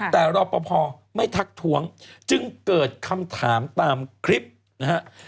แต่รอปภไม่ทักท้วงจึงเกิดคำถามตามคลิปนะฮะ